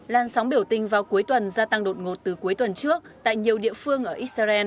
lan sóng biểu tình vào cuối tuần gia tăng đột ngột từ cuối tuần trước tại nhiều địa phương ở israel